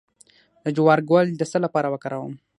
د جوار ګل د څه لپاره وکاروم؟